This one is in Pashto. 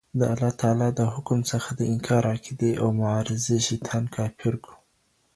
د الله تعالی د حکم څخه د انکار عقيدې او معارضې شيطان کافر کړ.